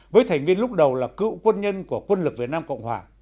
với thành viên lúc đầu là cựu quân nhân của quân lực việt nam cộng hòa